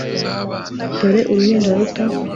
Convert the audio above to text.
dore uruhinja ruto